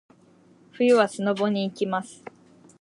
冬はスノボに行きます。